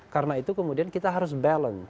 karena itu kemudian kita harus balance